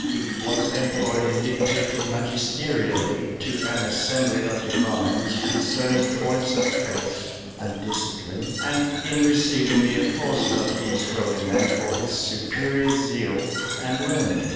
He was employed in dictating magisterially to an assembly of divines concerning points of faith and discipline, and in receiving the applauses of these holy men for his superior zeal and learning.